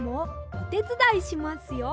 おてつだいしますよ。